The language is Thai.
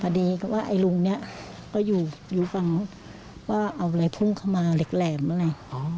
พอดีว่าไอ้ลุงนี้ก็อยู่อยู่ฟังว่าเอาอะไรพุ่งเข้ามาเหล็กแหลมอะไร